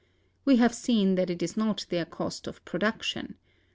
We have seen that it is not their cost of production.